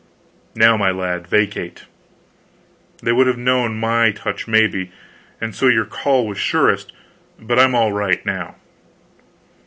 "Now, my lad, vacate! They would have known my touch, maybe, and so your call was surest; but I'm all right now."